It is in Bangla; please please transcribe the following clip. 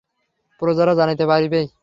প্রজারা জানিতে পারিবেই।